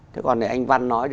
thế còn anh văn nói